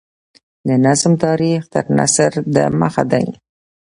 د نظم تاریخ تر نثر دمخه دﺉ.